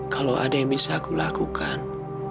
kalau ada yang bisa aku lakukan